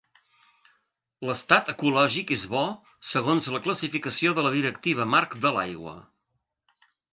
L’estat ecològic és bo segons la classificació de la Directiva Marc de l’Aigua.